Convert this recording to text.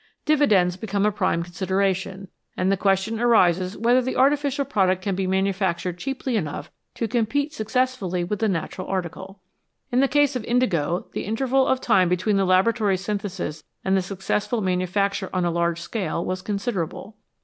Dividends become a prime consideration, and the question arises whether the artificial product can be manufactured cheaply enough to compete successfully with the natural article. In the case of indigo the interval of time between the laboratory synthesis and the successful manufacture on a large scale was considerable.